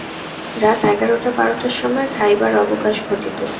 রাত এগারোটা বারোটার সময় খাইবার অবকাশ ঘটিত।